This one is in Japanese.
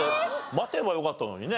待てばよかったのにね。